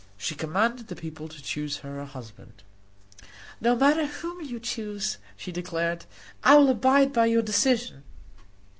She commanded the people to choose her a husband. "No matter whom you choose," she declared, "I will abide by your decision."